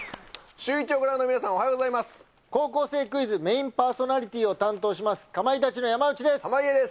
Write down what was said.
シューイチをご覧の皆さん、高校生クイズメインパーソナリティーを担当します、かまいたちの山内です。